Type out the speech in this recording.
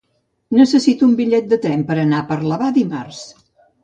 Necessito un bitllet de tren per anar a Parlavà dimarts.